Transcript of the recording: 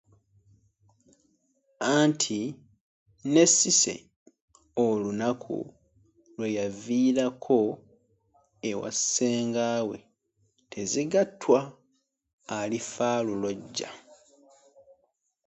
Anti ne Cissy olunaku lwe yaviirako ewa Ssengaawe Tezigattwa alifa alulojja.